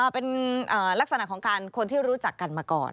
เป็นลักษณะของการคนที่รู้จักกันมาก่อน